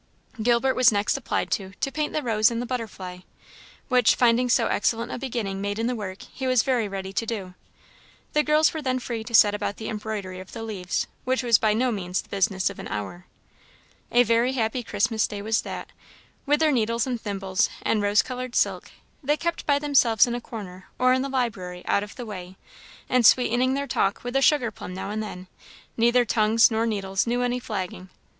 Gilbert was next applied to, to paint the rose and the butterfly, which, finding so excellent a beginning made in the work, he was very ready to do. The girls were then free to set about the embroidery of the leaves, which was by no means the business of an hour. A very happy Christmas day was that. With their needles and thimbles, and rose coloured silk, they kept by themselves in a corner, or in the library, out of the way; and sweetening their talk with a sugar plum now and then, neither tongues nor needles knew any flagging.